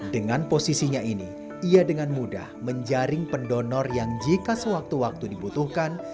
dengan posisinya ini ia dengan mudah menjaring pendonor yang jika sewaktu waktu dibutuhkan